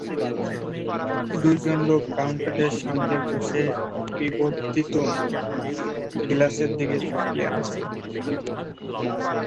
দুজন লোক কাউন্টারের সামনে বসে বিবর্ধিত গ্লাসের দিকে তাকিয়ে আছে।